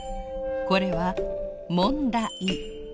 これはもんだ「い」。